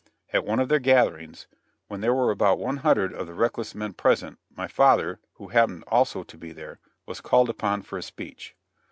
At one of their gatherings, when there were about one hundred of the reckless men present, my father, who happened also to be there, was called upon for a speech.